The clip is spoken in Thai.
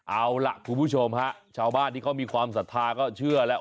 เอาล่ะผู้ชมนี่ครับชาวบ้านที่เขามีความสัทธาก็เชื่อแล้ว